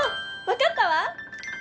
わかったわ！